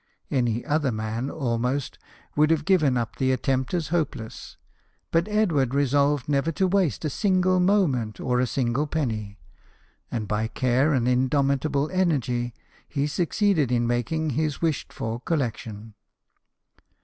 Any other man, almost, would have given up the attempt as hopeless ; but Edward 1 76 BIOGRAPHIES OF WORKING MEN. resolved never to waste a single moment or a single penny, and by care and indomitable energy he succeeded in making his wished for collection.